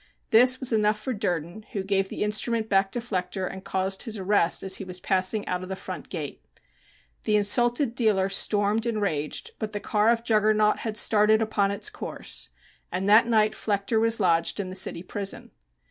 This was enough for Durden, who gave the instrument back to Flechter and caused his arrest as he was passing out of the front gate. The insulted dealer stormed and raged, but the Car of Juggernaut had started upon its course, and that night Flechter was lodged in the city prison.